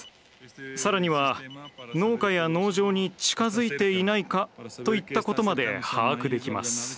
さらには農家や農場に近づいていないか？といったことまで把握できます。